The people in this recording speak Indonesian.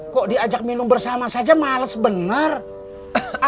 kok diajak minum bersama saja malas benar ya